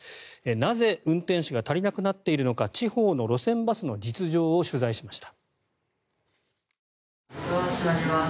なぜ運転手が足りなくなっているのか地方の路線バスの実情を取材しました。